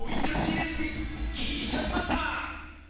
レシピ聞いちゃいました。